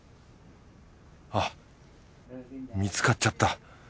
あっ見つかっちゃった。